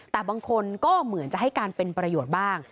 แต่บางคนก็เหมือนจะให้การเป็นประโยชน์บ้าง